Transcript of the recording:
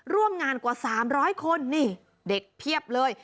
ร่วมงานกว่า๓๐๐คนนี่เด็กเพียบเลย